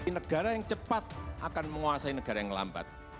negara yang cepat akan menguasai negara yang lambat